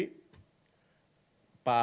pak ahok dengan pak jarod